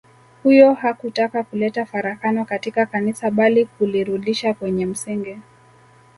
Huyo hakutaka kuleta farakano katika Kanisa bali kulirudisha kwenye msingi